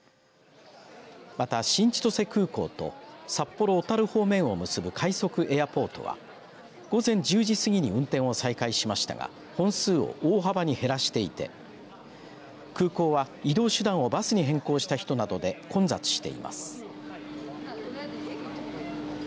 また、新千歳空港と札幌、小樽方面を結ぶ快速エアポートは午前１０時過ぎに運転を再開しましたが本数を大幅に減らしていて空港は移動手段をバスに変更した人などで混雑しています。